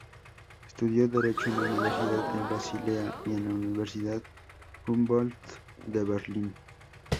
Estudió derecho en la Universidad de Basilea y en la Universidad Humboldt de Berlín.